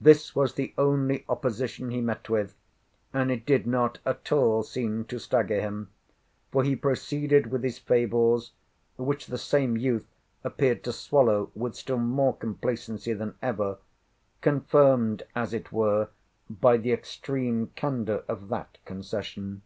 This was the only opposition he met with, and it did not at all seem to stagger him, for he proceeded with his fables, which the same youth appeared to swallow with still more complacency than ever,—confirmed, as it were, by the extreme candour of that concession.